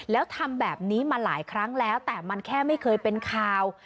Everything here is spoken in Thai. แล้วทำแบบนี้มาหลายครั้งแล้วแต่มันแค่ไม่เคยเป็นข่าว